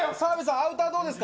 アウター、どうですか？